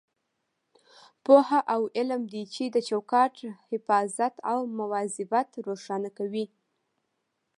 پوهه او علم دی چې د چوکاټ حفاظت او مواظبت روښانه کوي.